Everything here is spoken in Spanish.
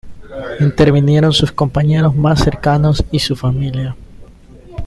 intervinieron sus compañeros mas cercanos y su familia